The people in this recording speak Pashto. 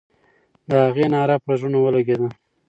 د هغې ناره پر زړونو ولګېده.